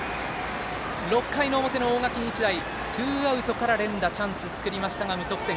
６回の表の大垣日大ツーアウトから連打チャンスを作りましたが無得点。